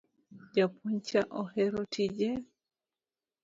Japuonj cha ohero tije